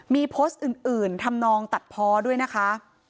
มีโพสต์อื่นทำนองตัดพอด้วยนะคะ